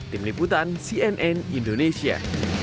tim liputan cnn indonesia